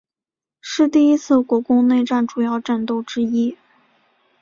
是第一次国共内战主要战斗之一。